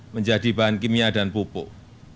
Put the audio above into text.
menjadi bahan kimia dan pupuk